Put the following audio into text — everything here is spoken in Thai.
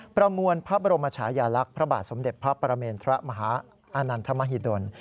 ประมวลพระบรมชายาลักษณ์พระบาทสมเด็จพระประเมนทรมหาอานันทมหิดล